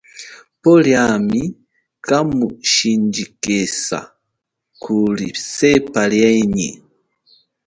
Pwo liami kamushindjikiza kuli sepa lienyi.